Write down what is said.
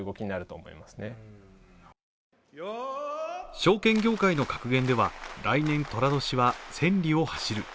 証券業界の格言では来年とら年は千里を走る。